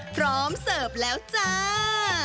พร้อมเสิร์ฟแล้วจ้า